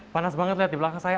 panas banget lihat di belakang saya